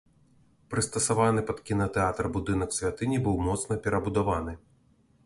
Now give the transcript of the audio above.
Прыстасаваны пад кінатэатр будынак святыні быў моцна перабудаваны.